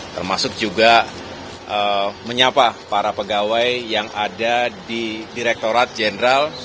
termasuk juga menyapa para pegawai yang ada di direktorat jenderal